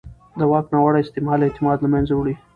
د واک ناوړه استعمال اعتماد له منځه وړي